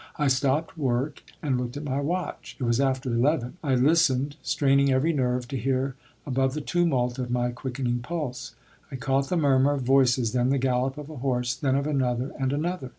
I stopped work and looked at my watch. It was after eleven. I listened, straining every nerve to hear above the tumult of my quickening pulse. I caught the murmur of voices, then the gallop of a horse, then of another and another.